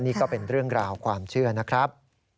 นี่ก็เป็นเรื่องราวความเชื่อนะครับ